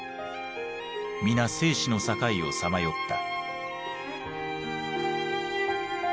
皆生死の境をさまよった。